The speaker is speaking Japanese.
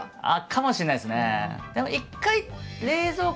かもしれないですね。